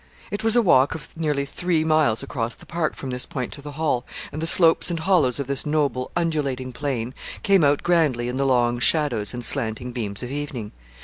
It was a walk of nearly three miles across the park from this point to the Hall, and the slopes and hollows of this noble, undulating plain, came out grandly in the long shadows and slanting beams of evening.